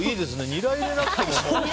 ニラ入れなくても。